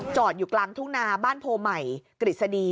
อยู่กลางทุ่งนาบ้านโพใหม่กฤษฎี